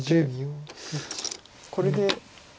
これで。